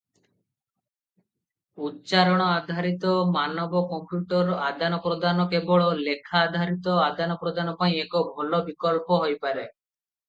ଉଚ୍ଚାରଣ ଆଧାରିତ ମାନବ-କମ୍ପ୍ୟୁଟର ଆଦାନପ୍ରଦାନ କେବଳ ଲେଖା-ଆଧାରିତ ଆଦାନପ୍ରଦାନ ପାଇଁ ଏକ ଭଲ ବିକଳ୍ପ ହୋଇପାରେ ।